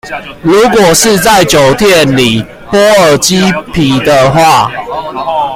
如果是在酒店裡剝耳機皮的話